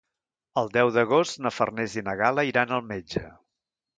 El deu d'agost na Farners i na Gal·la iran al metge.